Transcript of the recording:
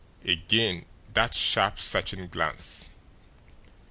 Again that sharp, searching glance.